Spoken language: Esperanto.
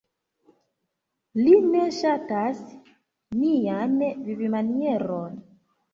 Li ne ŝatas nian vivmanieron.